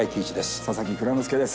佐々木蔵之介です。